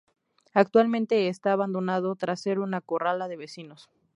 Actualmente esta abandonado tras ser una corrala de vecinos.